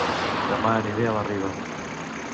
Dema aniré a La Riba